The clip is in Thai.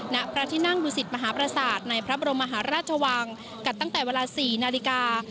ณพระที่นั่งดุสิตมหาประสาทในพระบรมมหาราชวังกันตั้งแต่เวลา๔นาฬิกา